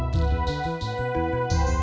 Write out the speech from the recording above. saya masuk dulu pak